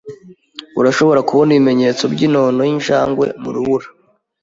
Urashobora kubona ibimenyetso byinono yinjangwe mu rubura.